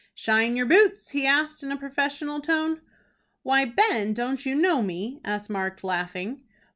"Shine yer boots!" he asked, in a professional tone. "Why, Ben, don't you know me?" asked Mark, laughing.